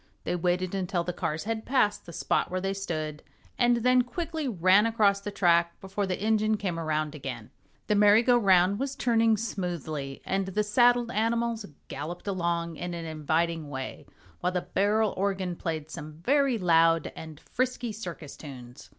They waited until the cars had passed the spot where they stood and then quickly ran across the track before the engine came around again. The merry go round was turning smoothly, and the saddled animals galloped along in an inviting way, while the barrel organ played some very loud and frisky circus tunes.